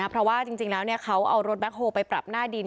เพราะว่าจริงแล้วเขาเอารถแบ็คโฮลไปปรับหน้าดิน